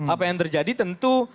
apa yang terjadi tentu